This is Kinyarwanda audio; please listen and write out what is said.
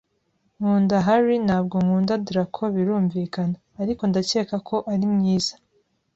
Nkunda Harry, ntabwo nkunda Draco birumvikana, ariko ndacyeka ko ari mwiza.